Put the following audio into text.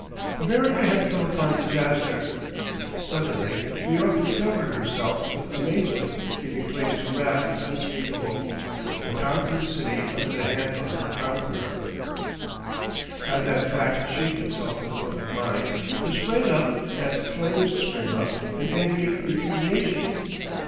America had come upon disaster; suddenly New York discovered herself with amazement giving place to wrath unspeakable, a conquered city under the hand of her conqueror. As that fact shaped itself in the public mind, there sprang up, as flames spring up, an angry repudiation.